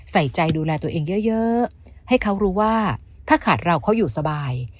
ใส่ใจดูแลตัวเองเยอะให้เขารู้ว่าถ้าขาดเราเขาอยู่สบาย